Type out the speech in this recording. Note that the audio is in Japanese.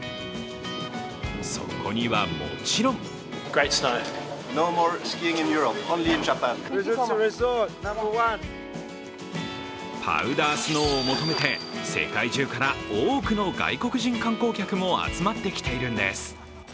そこには、もちろんパウダースノーを求めて世界中から多くの外国人観光客も集まってきているんです。